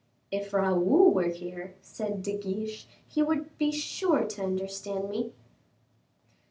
"If Raoul were here," said De Guiche, "he would be sure to understand me."